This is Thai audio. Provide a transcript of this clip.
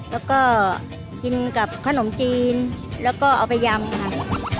แล้วก็กินกับขนมจีนแล้วก็เอาไปยำค่ะ